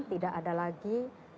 tidak ada lagi